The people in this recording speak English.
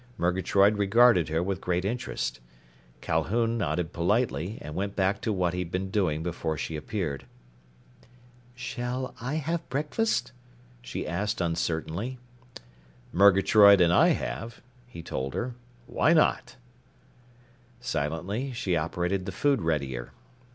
Murgatroyd regarded her with great interest. Calhoun nodded politely and went back to what he'd been doing before she appeared. "Shall I have breakfast?" she asked uncertainly. "Murgatroyd and I have," he told her. "Why not?" Silently, she operated the food readier.